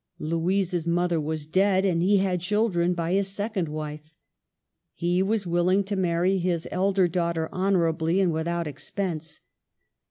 Louisa's mother was dead, and he had children by his second wife. He was willing to marry his elder daughter honorably and without expense.